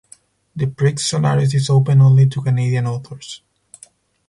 The Prix Solaris is open only to Canadian authors.